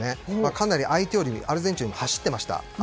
かなり相手よりアルゼンチン走ってました。